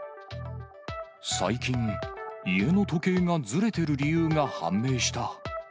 最近、家の時計がずれてる理由が判明した。